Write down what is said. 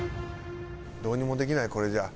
どうにもできないこれじゃあ。